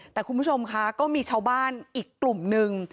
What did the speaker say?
แต่คุณผู้ชมค่ะก็มีชาวบ้านอีกกลุ่มนึง